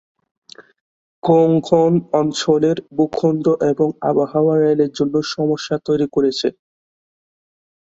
কোঙ্কণ অঞ্চলের ভূখণ্ড এবং আবহাওয়া রেলের জন্য সমস্যা তৈরি করেছে।